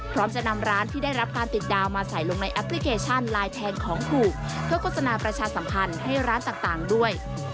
พร้อมจะนำร้านที่ได้รับการติดดาวน์มาใส่ลงในแอปพลิเคชันไลน์แทนของถูกเพื่อโฆษณาประชาสัมพันธ์ให้ร้านต่างด้วย